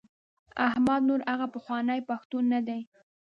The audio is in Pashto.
احمد نور هغه پخوانی پښتون نه دی.